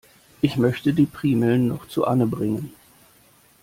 Ich möchte die Primeln noch zu Anne bringen.